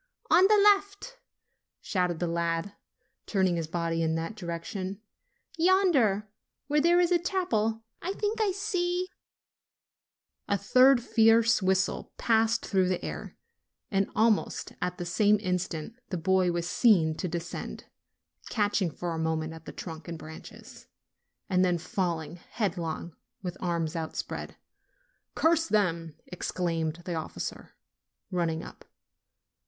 "On the left," shouted the lad, turning his body in that direction, "yonder, where there is a chapel, I think I see" A third fierce whistle passed through the air, and almost at the same instant the boy was seen to descend, catching for a moment at the trunk and branches, and then falling headlong with arms outspread. "Curse them !" exclaimed the officer, running up.